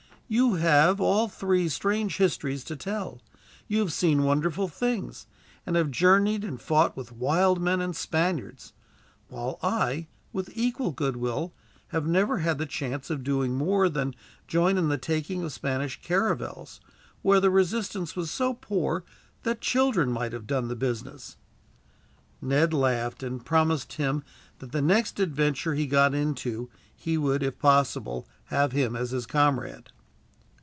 "You have all three strange histories to tell. You have seen wonderful things, and have journeyed and fought with wild men and Spaniards; while I, with equal goodwill, have never had the chance of doing more than join in the taking of Spanish caravels, where the resistance was so poor that children might have done the business." Ned laughed, and promised him that the next adventure he got into he would, if possible, have him as his comrade.